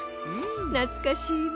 なつかしいわ。